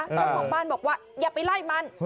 เจ้าของบ้านบอกว่าอย่าไปไล่มัน